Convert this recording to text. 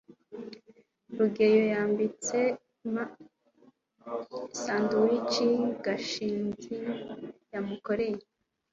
rugeyo yambitse ham sandwich gashinzi yamukoreye